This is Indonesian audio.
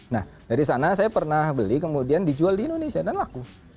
nah dari sana saya pernah beli kemudian dijual di indonesia dan laku